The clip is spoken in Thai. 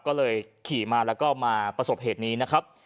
ก็เลยขี่มาแล้วก็มาประสบเหตุนี้นะครับ